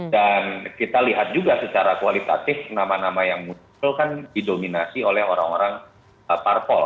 dan kita lihat juga secara kualitatif nama nama yang muncul kan didominasi oleh orang orang parpol